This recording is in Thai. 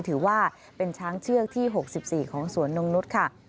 ถือว่าเป็นช้างเชือกที่๖๔ของสวนนงนุษย์ค่ะ